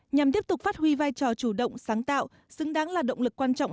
nhằm tiếp tục phát huy vai trò chủ động sáng tạo xứng đáng là động lực quan trọng